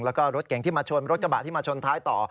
แล้วก็รถเก่งที่มาชนรถกระบะที่มาชนท้ายต่อ